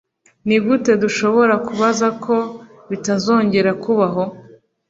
Nigute dushobora kubuza ko bitazongera kubaho?